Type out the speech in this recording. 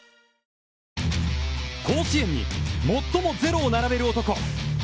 甲子園に最もゼロを並べる男